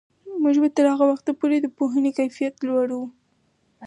موږ به تر هغه وخته پورې د پوهنې کیفیت لوړوو.